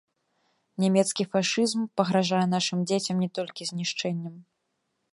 Нямецкі фашызм пагражае нашым дзецям не толькі знішчэннем.